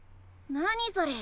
何それ？